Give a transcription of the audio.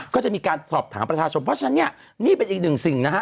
ก็จะมีการสอบถามประชาชนเพราะฉะนั้นเนี่ยนี่เป็นอีกหนึ่งสิ่งนะฮะ